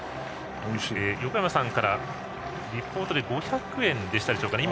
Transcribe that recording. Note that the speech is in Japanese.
横山さんからはリポートで、５００円でしたかね。